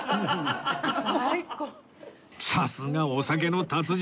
さすがお酒の達人！